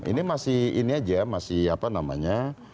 ini masih ini aja masih apa namanya